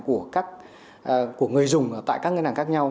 của người dùng tại các ngân hàng khác nhau